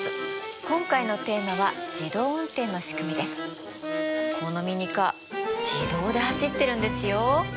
今回のテーマはこのミニカー自動で走ってるんですよ。